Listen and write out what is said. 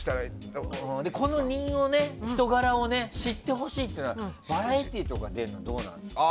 この人柄を知ってほしいというのはバラエティーとか出るのはどうなですか？